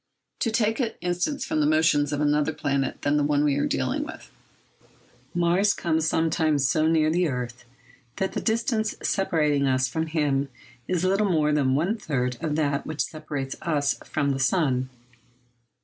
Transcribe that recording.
To take an instance from the motions of another planet than the one we are dealing with. Mars comes sometimes so near the earth that the distance separating us from him is little more than one third of that which separates us from the sun.